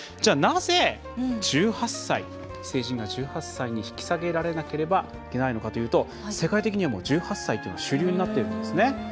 なぜ、成人が１８歳に引き下げられなければいけないのかというと世界的にも１８歳というのは主流になっているんですね。